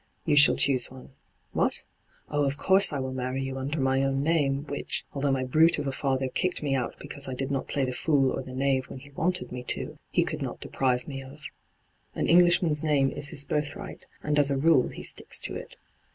Tou shall choose one. What? Oh, of course, I wiU marry you under my own name, which, although my brute of a father kicked me out because I did not play the fool or the knave when he wanted me to, he could not deprive me of. An Englishman's name is his birth right, and as a rule he sticks to it.